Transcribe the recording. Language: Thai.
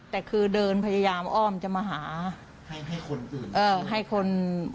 แต่คือเดินพยายามอ้อมจะมาหาให้ให้คนอื่นเออให้คน